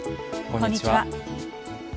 こんにちは。